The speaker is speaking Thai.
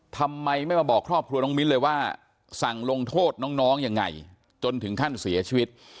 ทำไมไม่มาบอกครอบครัวน้องมิ้นเลยว่าสั่งลงโทษน้องยังไงจนถึงขั้นเสียชีวิต